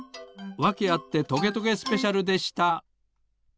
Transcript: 「わけあってトゲトゲスペシャル」でした。